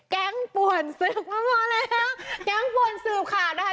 แก๊งป่วนศือบมาเผาเลยอะไรคะแก๊งป่วนศือบค่ะนะคะ